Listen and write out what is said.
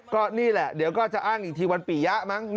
ก็นี่แหละเดี๋ยวก็จะอ้างอีกทีวันปียะมั้ง